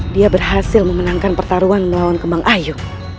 dia berhasil memenangkan pertarungan melawan kembang ayu